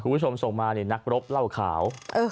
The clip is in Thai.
คุณผู้ชมส่งมานี่นักรบเหล้าขาว